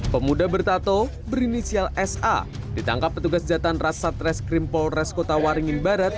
pemuda bertato berinisial sa ditangkap petugas jatan rassat reskrim polres kota waringin barat